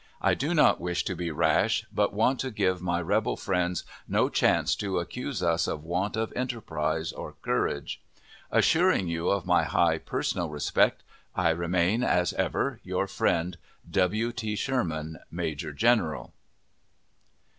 I do not wish to be rash, but want to give my rebel friends no chance to accuse us of want of enterprise or courage. Assuring you of my high personal respect, I remain, as ever, your friend, W. T. SHERMAN, Major General.